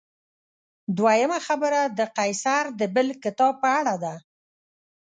دویمه خبره د قیصر د بل کتاب په اړه ده.